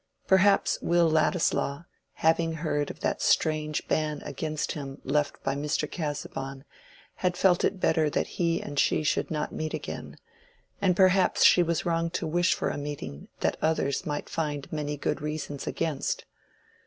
Perhaps Will Ladislaw, having heard of that strange ban against him left by Mr. Casaubon, had felt it better that he and she should not meet again, and perhaps she was wrong to wish for a meeting that others might find many good reasons against.